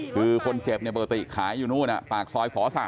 คือคนเจ็บปกติขายอยู่นู่นปากซอยฝ๓